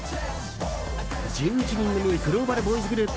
１１人組グローバルボーイズグループ